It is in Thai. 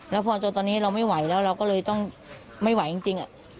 แล้วพอจนตอนนี้เราไม่ไหวแล้วเราก็เลยต้องไม่ไหวจริง